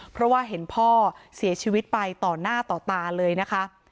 เพราะว่าเห็นพ่อเสียชีวิตไปต่อหน้าต่อตาเลยนะคะ